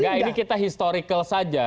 ya ini kita historical saja